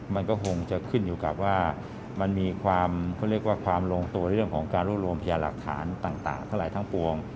มันก็คงจะขึ้นอยู่กับว่ามันมีความเขาเรียกว่าความลงตัวในเรื่องของการรวบรวมพยาหลักฐานต่างทั้งหลายทั้งปวง